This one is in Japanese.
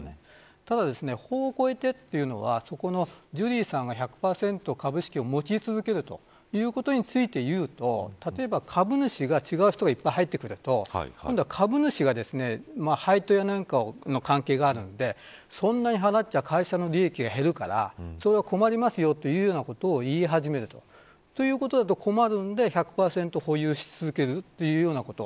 ただ、法を超えてというのはそこのジュリーさんが１００％株式を持ち続けるということについて言うと例えば、株主が違う人がいっぱい入ってくると今度は株主が配当やなんかの関係があるんでそんなに払っちゃ会社の利益が減るからそれは困りますよということを言い始めるとということだと困るんで１００％保有し続けるというようなこと。